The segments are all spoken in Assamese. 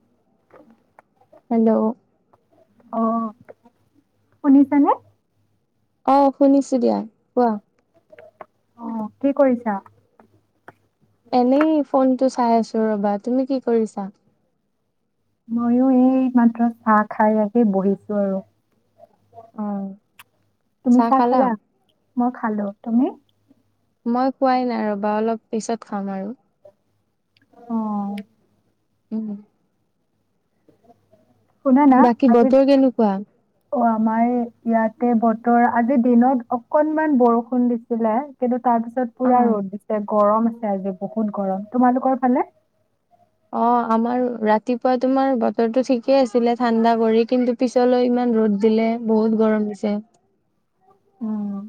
উ হেল্ল' অ শুনিছানে অ শুনিছো দিয়া কোৱা অ কি কৰিছা এনেই ফোন টো চাই আছো ৰবা তুমি কি কৰিছা ময়ো এই মাত্ৰ চাহ খাই আহি বহিছো আৰু অ তুমি চাহ খালা মই খালো তুমি মই খুৱাই নাই ৰ'বা অলপ পিছত খাম আৰু অ উম শুনা না বাকী আজি বতৰ কেনেকুৱা অ আমাৰ ইয়াতে বতৰ আজিৰ দিনত অকনমান বৰষুণ দিছিলে কিন্তু তাৰ পিছত অ পুৰা ৰ'দ দিছে গৰম আছে আজি বহুত গৰম তোমালোকৰ ফালে অ আমাৰ ৰাতিপুৱা তোমাৰ বতৰটো ঠিকেই আছিলে ঠাণ্ডা কৰি কিন্তু পিছলৈ ইমান ৰ'দ দিলে বহুত গৰম দিছে উম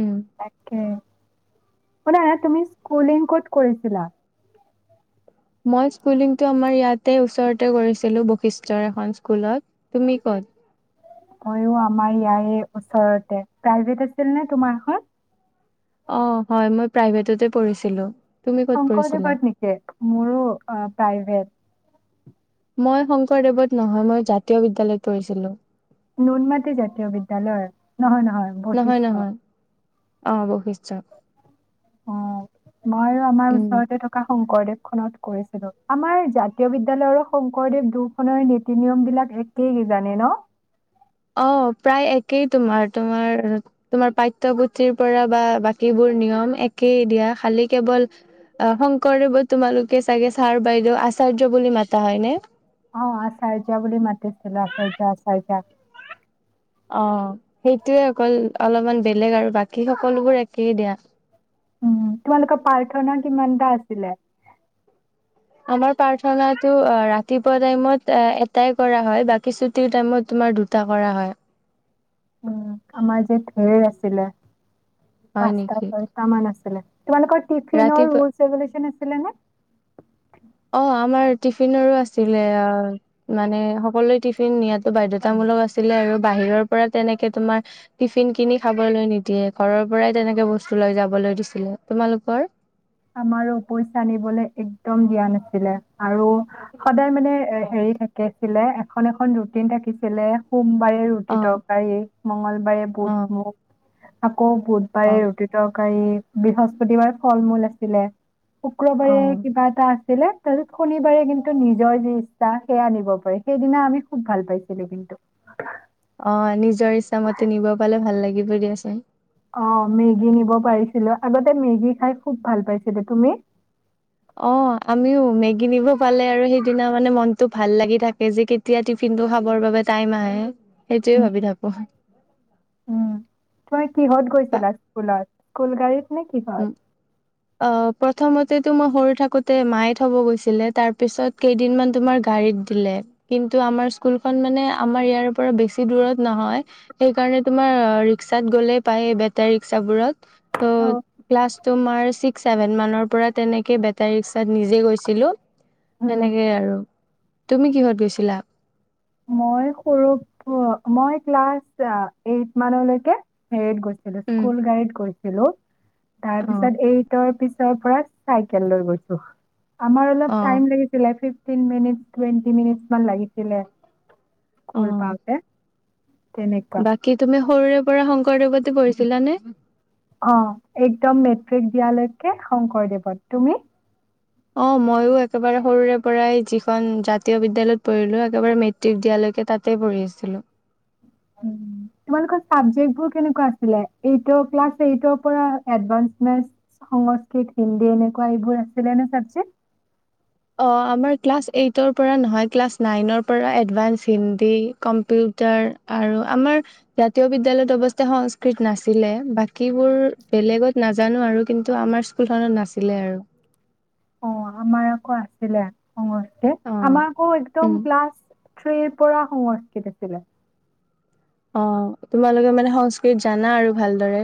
উম তাকে শুনা তুমি স্কুলিং ক'ত কৰিছিলা মই স্কুলিংটো আমাৰ ইয়াতে ওচৰতে কৰিছিলো বৈশিষ্টৰ এখন স্কুলত তুমি ক'ত মইও আমাৰ ইয়াৰে ওচৰতে প্ৰাইভেট আছিল নে তোমাৰ খন অ হয় মই প্ৰাইভেটতে পঢ়িছিলোঁ শংকৰদেবত নেকি মোৰো প্ৰাইভেট মই শংকৰদেৱত নহয় মই জাতীয় বিদ্যালয়ত পঢ়িছিলোঁ নুন মাটি জাতীয় বিদ্যালয় নহয় নহয় নহয়, বশিষ্ঠ নহয়। অ বহিছো। অ মই আমাৰ উম ওচৰতে থকা শংকৰদেৱ। খত কৰিছিলো আমাৰ জাতীয় বিদ্য়ালয়ৰ শংকৰদেৱ দুূখনৰ নীতি নিয়ম বিলাক একেই কিজানে ন। অ প্ৰায় একেই তোমাৰ তোমাৰ তোমাৰ পাঠ্যয়পুথিৰ পৰা বা বাকীবোৰ নিয়ম একেই দিয়া। খালি কেৱল শংকৰদেৱত তোমালোকে চাগে ছাৰ বাইদেউ আচাৰ্য বুলি মাতা হয়নে। অ আচহজ বুলি বুলি মাটতিল আচহজ আচহজ। অ সেইটোৱে অকল অলপমান বেলেগ আৰু বাকী সকলোবোৰ একেই দিয়া। উম তোমালোকে পাৰ্থনা কিমান দা আছিলে। আমাৰ প্ৰাৰ্থনাটো ৰাতিপুৱা টাইমত এটাই কৰা হয়। বাকী ছুটিৰ টাইমত তোমাৰ দুটা কৰা হয়। উম আমাৰ যে ধেৰীৰ আছিলে। হয় পাঁচ নেকি কৈটামান আছিলে। তোমালোকৰ টিফিনৰ ৰাতিপুৱা ৰুলচ ৰেগুলেশ্যন আছে। নে। অ আমাৰ টিফিনৰো আছিলে মানে সকলোৱে টিফিন নিয়ো বাধ্যয়তামূলক আছিলে। আৰু বাহিৰৰ পৰা তেনেকে তোমাৰ টিফিন কিনি খাবলৈ নিদিয়ে ঘৰৰ পৰাই তেনেকে বস্তু লৈ যাবলৈ দিছিলে তোমালোকৰ। আমাৰো পইচা আ নিবলৈ এক। উম দিয়া নাছিলে আৰু। সদায় মানে এ অ হেৰি থাকে। ছিলে এখন এখন ৰুটিন থাকিছিলেুম বাৰে অ ৰুটি তৰকাৰী মঙগলবাৰে অ বুট মুখ আপুনি। আকৌ বুধবাৰে ৰুটিটোক। ক বৃহস্পতিবাৰে ফল মূল আছে। [unintelligible] অ শুক্ৰবাৰে কিবা এটা আ। ছিলে তাৰপিছত শনিবাৰে কিন্তু নিজৰ যি ইচ্ছা সেয়া আনিব পাৰে সেইদিনা আমি খুব ভাল পাইছিলো কিন্তু। অ নিজৰ ইচ্ছামতে নিব পালে ভাল লাগিব দিয়াচোন। অ মেগী নিব পাৰিছিলো আগতে মেগী খাই খুব ভাল পাইছিলো তুমি। অ আমিও মেগী কিনিব পালে আৰু সেইদিনা মানে মনতটো ভাল লাগি থাকে যে কেতিয়া টিফিন টো খাবৰ বাবে টাইম আহে। সেইটোয়ে উম ভাবি থাকো তুম কিহত গৈছিলা স্কুলত। কলগাডীত। উম অ। প্ৰথমতেতো মই সৰু থাকোঁতে মায়ে থ'ব গৈছিলে। তাৰ পিছত কেইদিনমান তোমাৰ গাড়ীত দিলে কিন্তু আমাৰ স্কুলখন মানে আমাৰ ইয়াৰ পৰা বেছি দূৰত নহয় সেইকাৰণে তোমাৰ ৰিক্সাত গ'লেই পায়। বেটাৰী ৰিক্সাবোৰত অ ত ক্লাছ ত মাৰ ছিক্স ছেভেন মানৰ পৰা তেনেকে বেটাৰী ৰিক্সাত নিজে গৈছিলো। উম, সেনেকেই আৰু। তুমি কিহত গৈছিলা। মই্সৰু কঞ্ এ উম স্কুল গাইড কৰিছে। হেল্ল' তাৰ অ পিছত এইটৰ পিছ ৰ পৰা চাইকেল লৈ গৈছো আমাৰ অলপ অ টাইম লাগিছিলে fifteen minute twenty minute মান লাগিছিলে অ খোল পাওঁতে তেনেকুৱা। বাকী তুমি সৰুৰে পৰা শংকৰদেৱত পঢ়িছিলা নে? অ একদম মেট্ৰিক দিয়ালৈকে শংকৰদেৱত। তুমি? অ মইয়ো একেবাৰে সৰুৰে পৰাই যিখন জাতীয় বিদ্যালয়ত পঢ়িলো একেবাৰে মেট্ৰিক দিয়ালৈকে তাতে পঢ়ি আছিলো। উ তোমালোকৰ চাবজেক্ট বোৰ কেনেকুৱা আছিলে? এইটৰ ক্লাচ এইটৰ পৰা এডভাঞ্চ মেটছ, সংস্কৃত, হিন্দী এনেকুৱা এইবোৰ আছিলে নে চাবজেক্ট? অ আমাৰ ক্লাছ এইটৰ পৰা নহয় ক্লাছ নাইনৰ পৰা এডভাঞ্চ, হিন্দী, কম্পিউটাৰ আৰু আমাৰ জাতীয় বিদ্যালয়ত অৱস্থে সংস্কৃত নাছিলে বাকীবোৰ বেলেগত নাজানো আৰু কিন্তু আমাৰ স্কুলখনত নাছিলে আৰু অ আমাৰ আকৌ আছিলে। অ অ আমাৰ আক উম একদম ক্লাছ থ্ৰি পৰা সংস্কৃত আছিলে অ তোমালোকে মানে সংস্কৃত জানা আৰু ভালদৰে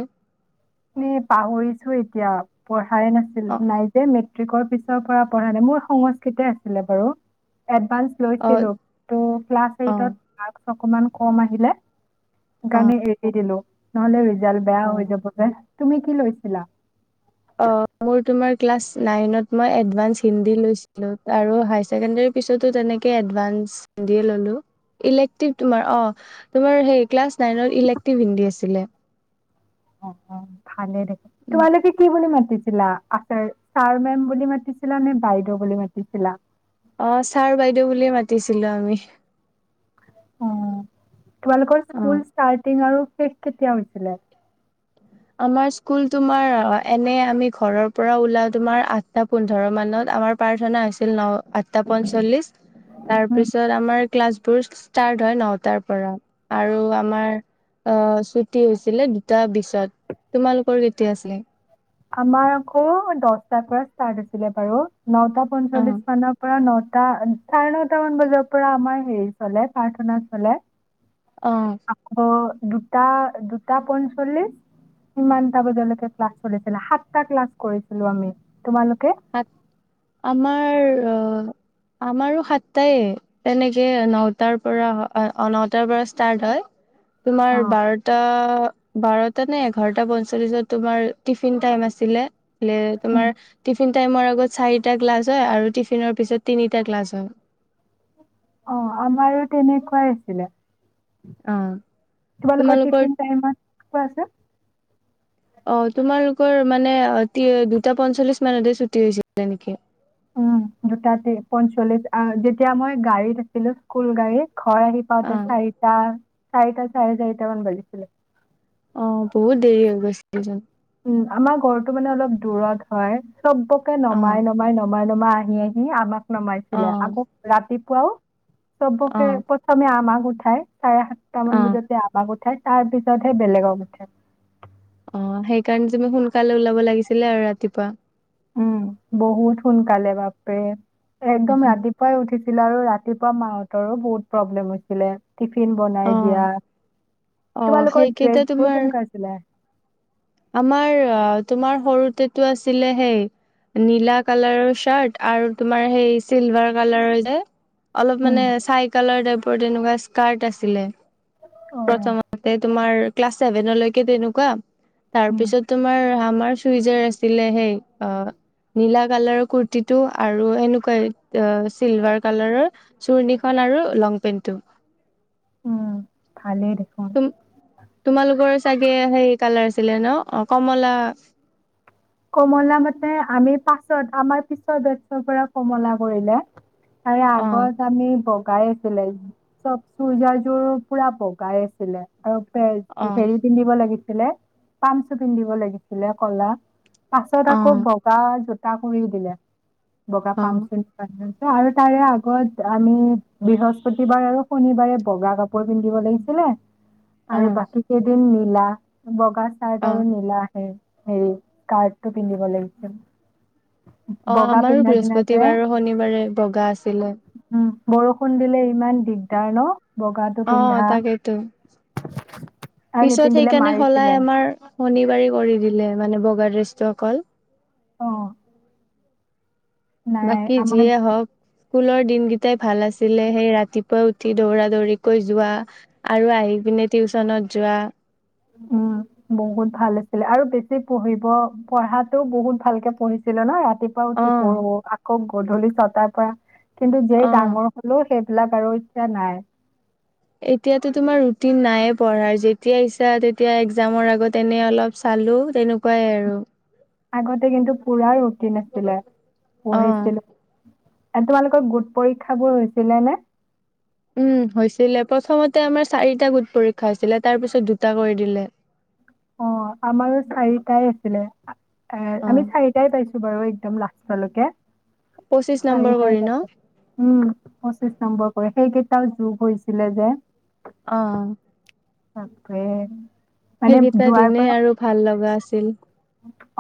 লি পাহৰিছো এতিয়া পঢ়া - চাৰে নাছিল অ নাই যে মৃত কি কয় পিছৰ পৰা পঢ়া নে মোৰ সংস্কৃতে আছিলে বাৰু এড পালচ অ লৈছিলো টু ক্লাচ অ এইটট মাৰ্ক্স অকমান কম আহিলে গানে অ এৰি দিলো নহলে ৰিজ- জাল বেয়া অ হৈ যাব তুমি কি লৈছিলা? মই তোমাৰ ক্লাচ নাইনত মই এডভাঞ্চ হিন্দী লৈছিলো আৰু হাইছেকেন্দ্ৰেৰী পিছতো তেনেকে এডভাঞ্চ হিন্দীয়ে ললো। ইলেক্ট্ৰিক তোমাৰ অ তোমাৰ সেই ক্লাচ নাইনত ইলেক্ট্ৰিভ হিন্দী আছিলে অ অ ভালে দেখ তোমালোকে কি বুলি মাত- মাতিছিলা আচাৰ ছাৰ মেম বুলি মাতিছিলা নে বাইদেউ বুলি মাতিছিলা? অ ছাৰ বাইদেউ বুলিয়ে মাতিছিলো আমি উম তোমালোকৰ অ'। স্কুল ষ্টাৰ্টিং আৰু ফেক কেতিয়া হৈছিলে? আমাৰ স্কুল তোমাৰ এনে আমি ঘৰৰ পৰা ওলা তোমাৰ আঠটা পোন্ধৰ মানত আমাৰ প্ৰাৰ্থনা হৈছিল ন আঠটা পঞ্চল্লিশ তাৰ উম, পিছত আমাৰ ক্লাছবোৰ ষ্টাৰ্ট হয় নটাৰ পৰা আৰু আমাৰ অ ছুটী হৈছিলে দুটা বিছত। তোমালোকৰ কেতিয়া আছিলে? আমাৰ আকৌ দশটাৰ পৰা ষ্টাৰ্ট আছিলে বাৰু নটা অ পঞ্চলিছ মানৰ পৰা ন টা চাৰে নটা মান বজাৰ পৰা আমাৰ হেৰি চলে প্ৰাৰ্থনা চলে অহ আকৌ দুটা দুটা পঞ্চল্লিশ ইমানটা বজালৈকে ক্লাছ চলিছিলে সাতটা ক্লাছ কৰিছিলো আমি তোমালোকে সাত আমাৰ মৰো আমাৰো সাতটাই তেনেকে নটাৰ পৰা অ নটাৰ পৰা ষ্টাৰ্ট হয় তোমাৰ অঁ বাৰটা বাৰটা নে এঘাৰ টা পঞ্চল্লিশত তোমাৰ টিফিন টাইম আছিলে ৱে তোমাৰ টিফিন টাইমৰ আগত চাৰিটা ক্লাছ হয় আৰু টিফিনৰ পিছত তিনিটা ক্লাছ হয় অ আমাৰো তেনেকুৱাই আছিলে তোমালোক তোমালোকৰ টফিন টাইমত কোৱা আছে অ তোমালোকৰ মানে দুটা পঞ্চল্লিশ মানতে ছুটি হৈছিলে নেকি উম দুটা তে পঞ্চল্লিশ আ যেতিয়া মই গাড়ীত আছিলো স্কুল গাড়ীত ঘৰ আহি অ পাওতে চাৰিটা চাৰিটা চাৰে চাৰিটা মান বাজিছিলে অ বহুত দেৰি হৈ গৈছিল যে উম আমাৰ ঘৰটো মানে অলপ দূৰত হয় চবকে অ নমাই নমাই নমাই মাই আহি আহি আমাক অ নমাইছিলে আকৌ ৰাতি কোৱাও অ চবকে পথমে আমাৰ ঘ ঠাই চাৰে সাতটা মান অ বজাতে আমাক উঠাই তাৰপিছত সেই বেলেগক উঠাই অ সেইকাৰণে তুমি সোনকালে ওলাব লাগিছিলে আৰু ৰাতিপুৱা উম বহুত সোনকালে বাপৰে একদম ৰাতিপুৱাই উঠিছ আৰু ৰাতিপুৱা মাহঁতৰো বহুত প্ৰব্লেম হৈছিলে টিফিন বনাই অ দিয়া অ তোমালোকৰ সেইকেইটা ড্ৰেছ বোৰ তোমাৰ কেনেকুৱা আছিলে আমাৰ তোমাৰ সৰুতেটো আছিলে সেই নীলা কালাৰৰ চাৰ্ট আৰু তোমাৰ সেই চিলভাৰ কালাৰৰ যে অলপ উম। মানে চাই কালাৰ টাইপ তেনেকুৱা স্কাৰ্ট আছিলে অ', প্ৰথমতে তোমাৰ ক্লাছ চছেভেনলৈকে তেনেকুৱা তাৰ উম, পিছত তোমাৰ আমাৰ চুইজাৰ আছিলে সেই অ', নীলা কালাৰৰ কুুৰ্তীটো আৰু এনেকুৱাই চিলভাৰ কালাৰৰ চুৰ্নিখন আৰু লং পেন্টটো। উম। ভালেই দেখোন। তুম তোমালোকৰ চাগে সেই কালাৰ আছিলে ন' অ', কমলা কমলা মানে আমি পাছত আমাৰ পিছৰ বেটছ পৰা কমলা কৰিলে। তাৰে অ আগত আমি ব পকাই আছিলে চব চুৰ্যাযোৰ পুৰা বগাই আছিলে আৰু। অ হেৰি পিন্ধিব লাগি ছিলে পামচু পিন্ধিব লাগিছিলে ক'লা। পাছত আকৌ অ বগাত তাকৰি দিলে বগা অ পামচু [unintelligible] আৰু তাৰে আগত আমি বৃহস্পতিবাৰ আৰু শনিবাৰে বগা কাপোৰ পিন্ধিব লাগিছিলে। অ আৰু অ বাকী কেইদিন নি লা বগা চাইড আৰু নীলা আহে। হেৰি কাৰ টো পিন্ধিব লাগিছিলে। অ', আমাৰো বৃহস্পতিবাৰ আৰু শনিবাৰে বগা আছিলে। উম বৰষুণ দিলে ইমান দিগদাৰ ন'। বগাটো অ', পিন্ধা তাকেইেতো আৰু পিছত নিপিন্ধিলে সেইকাৰণে সলাই মাৰিছিলে আমাৰ শনিবাৰ কৰি দিলে মানে বগা ড্ৰচটো অকল অ নাই বাকী আমাৰ যিয়ে হওঁক স্কুলৰ দিনকেইটাই ভাল আছিলে সেই ৰাতিপুৱা উঠি দৌৰা দৌৰিকৈ যোৱা আৰু আহি পিনে টিউশনত যোৱা। উম, বহুত ভাল আছিলে আৰু বেছি পঢ়িব পঢ়াতটো বহুত ভালকে পঢ়িছিলো ন' ৰাত তীপা অ উঠি পঢ়ো আৰু গধূলি ছতা পৰা কিন্তু যেই অ ডাঙৰ হ'লেও সেই স বিলাক আৰু ইচ্ছা নাই। এতিয়া তো তোমাৰ ৰুটিন নাই পঢ়াৰ যেতিয়া ইচ্ছা তেতিয়া এক্জামৰ আগত এনে অলপ চালো তেনেকুৱাই আৰু। আগতে কিন্তু পুৰা ৰুটিন আছিলে, অ পঢ়িছিলো। তোমালোকৰ গোট পৰীক্ষাবোৰ হৈছিলে নে? উম হৈছিলে প্ৰথমতে আমাৰ চাৰিটা গোট পৰীক্ষা হৈছিলে তাৰ পিছত দুটা কৰি দিলে অ আমাৰো চাৰিটাই আছিলে অ আমি চাৰিটাই পাইছো বাৰু একদম লাষ্টলৈকে পঁচিশ নম্বৰ চাৰি ভাইৰ কৰি ন মাজত উম পঁচিশ নম্বৰ কৰি সেইকেইটাও যোগ হৈছিলে যে অহ তাকে সেইকেইটা দিনে আৰু ভাল লগা আছে ছিল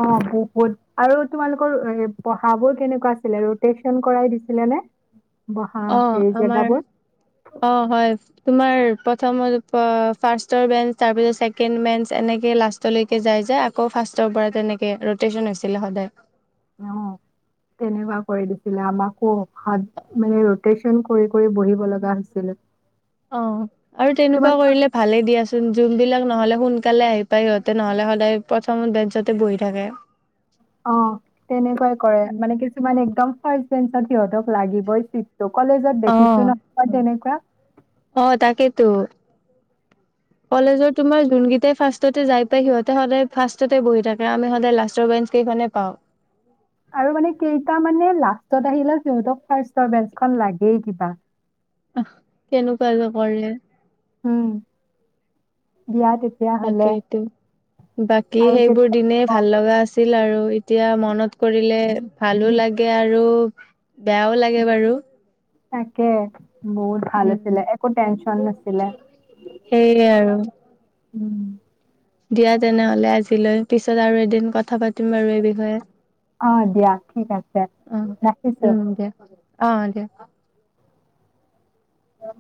অ বহুত আৰু তোমালোকৰ পঢ়াবোৰ কেনেকোৱা আছিলে ৰটেচন কৰাই দিছিলে নে বহা অ হেৰি আমাৰ জেগাবোৰ অ হয় তোমাৰ প্ৰথমৰ পৰা ফাষ্টৰ বেঞ্চ তাৰ পিছত ছেকেণ্ড বেঞ্চ এনেকে লাষ্টলৈকে যায় যায় আকৌ ফাৰ্ষ্টৰ পৰা তেনেকে ৰটেচন হৈছিলে সদায় অ তেনেকোৱা কৰি দিছিলে আমাকো ভাত মানে ৰটেচন কৰি কৰি বহিব লগা হৈছিলে অ আৰু তেনেকোৱা তোমালোকৰ কৰিলে ভালে দিয়াচো ন যোনবিলাক নহলে সোনকালে আহি পায় সিহঁতে নহলে সদায় প্ৰথমত বেঞ্চতে বহি থাকে অ তেনেকোৱাই কৰে উম। মানে কিছুমান একদম ফাৰ্ষ্ট বেঞ্চত সিহঁতক লাগিবই চিত ত কলেজত অ দেখিছো নহয় তেনেকোৱা অ তাকেইেতো কলেজৰ তোমাৰ যোনকেইটাই ফাৰ্ষ্টতে যাই পাই সিহঁতে সদায় ফাষ্টতে বহি থাকে আমি সদায় লাষ্টৰ বেঞ্চ কেইখনহে পাওঁ আৰু মানে কেইটা মানে লাষ্টত আহিলে সিহঁতক ফাৰ্ষ্টৰ বেঞ্চখন লাগেই কিবা কেনেকোৱা যে কৰে উম বিয়াত এ তাকেইটো বাকী আৰু সেইবোৰ কেতিয়া দিনে অ, ভাল লগা আছে আছিল আৰু এতিয়া মনত কৰিলে ভালো লাগে আৰু বেয়াও লাগে বাৰু তাকে বহুত ভাল উম আছিলে একো টেনশ্যন নাছিলে সেইয়ে আৰু। উম দিয়া তেনেহলে আজিলৈ পিছত আৰু এদিন কথা পাতিম বাৰু এই বিষয়ে অ দিয়া ঠিক আছে অ ৰাখিছো উম দিয়া অ দে অহ